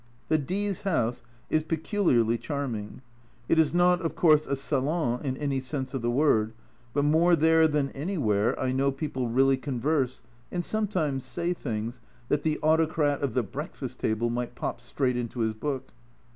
The D 's house is peculiarly charming it is not, of course, a " salon " in any sense of the word, but more there than anywhere I know people really converse and A Journal from Japan 251 sometimes say things that the Autocrat of the Break fast Table might pop straight into his book.